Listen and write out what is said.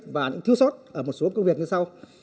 và những thiếu sót ở một số công việc như sau